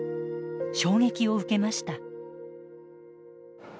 衝撃を受けました。